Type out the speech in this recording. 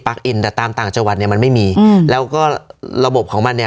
อินแต่ตามต่างจังหวัดเนี่ยมันไม่มีอืมแล้วก็ระบบของมันเนี่ย